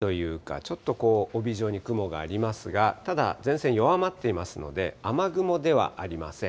前線の名残というか、ちょっと帯状に雲がありますが、ただ、前線弱まっていますので、雨雲ではありません。